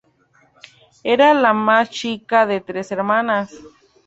Era la más chica de tres hermanas.